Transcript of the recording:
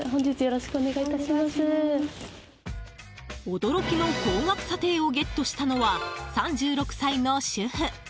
驚きの高額査定をゲットしたのは、３６歳の主婦。